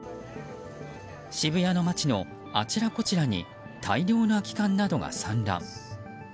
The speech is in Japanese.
渋谷の街のあちらこちらに大量の空き缶などが散乱。